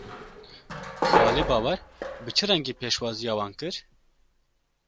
Xalê Bawer bi çi rengî pêşwaziya wan kir?